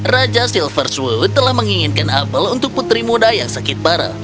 raja silver suwood telah menginginkan apel untuk putri muda yang sakit parah